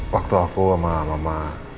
waktu aku sama mama